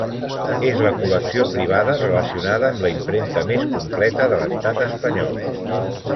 És la col·lecció privada relacionada amb la impremta més completa de l'estat espanyol.